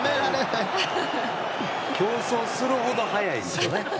競争するほど速いんでしょうね。